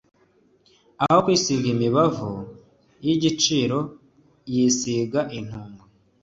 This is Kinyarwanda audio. aho kwisiga imibavu y’igiciro yisiga inuka